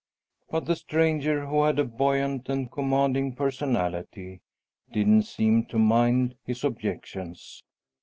But the stranger, who had a buoyant and commanding personality, didn't seem to mind his objections.